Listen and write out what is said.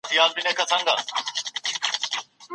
هغوی په ډېري لیوالتیا سره کوډ لیکه.